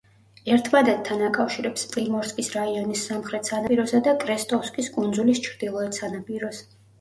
ერთმანეთთან აკავშირებს პრიმორსკის რაიონის სამხრეთ სანაპიროსა და კრესტოვსკის კუნძულის ჩრდილოეთ სანაპიროს.